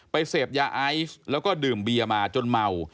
เสพยาไอซ์แล้วก็ดื่มเบียมาจนเมา